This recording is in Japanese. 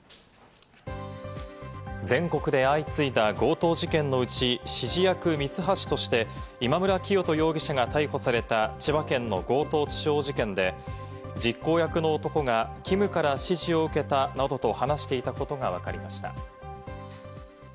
全国で相次いだ強盗事件のうち、指示役・ミツハシとして今村磨人容疑者が逮捕された千葉県の強盗致傷事件で、実行役の男がキムから指示を受けたなどと話していたことがわかりました。